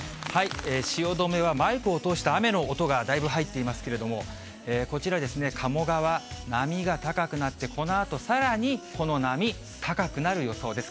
汐留はマイクを通して雨の音がだいぶ入っていますけれども、こちら、鴨川、波が高くなって、このあとさらにこの波、高くなる予想です。